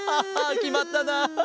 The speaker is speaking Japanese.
きまったなあ！